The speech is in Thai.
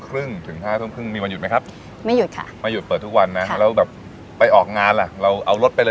เรียบรับออกงานด้วย